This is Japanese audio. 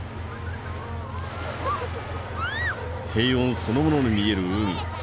平穏そのものに見える海。